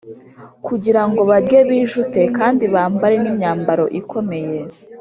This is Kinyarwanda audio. kugira ngo barye bijute kandi bambare n’imyambaro ikomeye